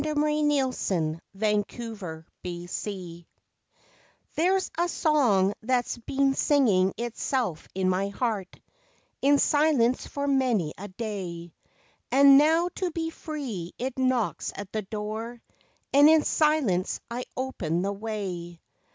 LIFE WAVES 49 OUR FATHERS There's a song that's been singing itself in my heart In silence for many a day, And now to be free it knocks at the door. And in silence I open the way.